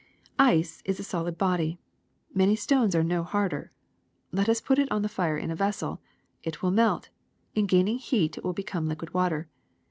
"Ice is a solid body; many stones are no harder. Let us put it on the fire in a vessel. It wdll melt ; in gaining heat it will become liquid water.